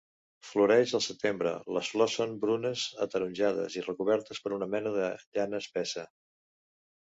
Floreix el setembre, les flors són brunes ataronjades recobertes per una mena de llana espessa.